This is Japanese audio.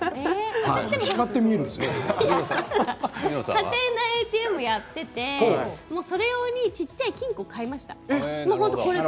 家庭内ＡＴＭをやっていてそれ用に小さい金庫を買いました。